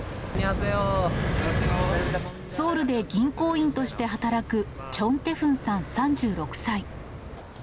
ソウルで銀行員として働くチョン・テフンさん３６歳。